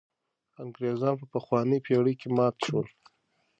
انګرېزان په پخوانۍ پېړۍ کې مات شول.